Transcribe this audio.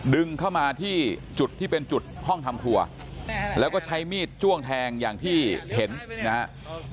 ดึงเข้ามาที่จุดที่เป็นจุดห้องทำครัวแล้วก็ใช้มีดจ้วงแทงอย่างที่เห็นนะครับ